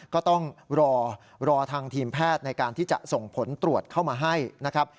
ก็ต้องรอรอทางทีมแพทย์ในการที่จะส่งผลตรวจเข้ามาให้นะครับ